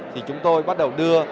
thì chúng tôi bắt đầu đưa